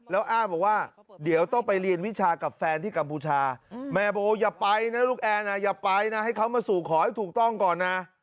แล้วอ้างบอกว่าเดี๋ยวต้องไปเรียนวิชากับแฟนที่กัมพูชาแม่บอกว่าอย่าไปนะลูกแอนอย่าไปนะให้เขามาสู่ขอให้ถูกต้องก่อนนะ